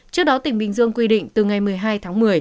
trước đó tỉnh bình dương quy định từ ngày một mươi hai tháng một mươi